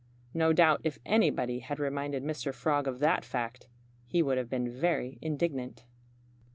No doubt if anybody had reminded Mr. Frog of that fact he would have been very indignant.